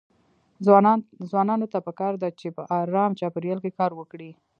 ځوانانو ته پکار ده چې په ارام چاپيريال کې کار وکړي.